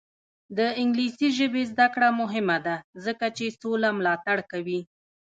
د انګلیسي ژبې زده کړه مهمه ده ځکه چې سوله ملاتړ کوي.